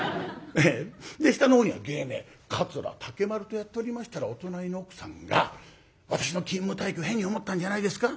で下のほうには芸名「桂竹丸」とやっておりましたらお隣の奥さんが私の勤務体系を変に思ったんじゃないですか？